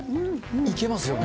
いけますよね。